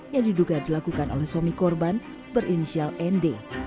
yang diduga dilakukan oleh suami korban berinisial nd